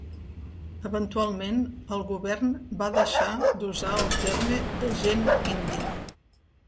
Eventualment, el govern va deixar d'usar el terme d'agent indi.